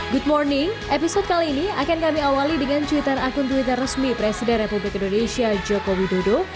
good morning episode kali ini akan kami awali dengan cuitan akun twitter resmi presiden republik indonesia joko widodo